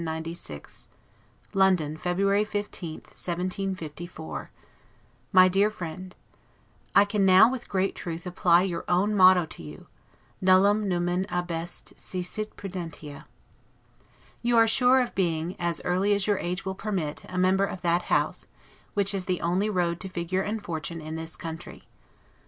LETTER CXCVI LONDON, February 15, 1754 MY DEAR FRIEND: I can now with great truth apply your own motto to you, 'Nullum numen abest, si sit Prudentia'. You are sure of being, as early as your age will permit, a member of that House; which is the only road to figure and fortune in this country.